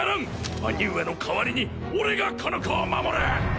兄上の代わりに俺がこの子を守る！